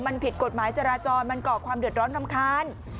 มันผิดกฎหมายจราจรมันก่อความเดือดร้อนรำคาญ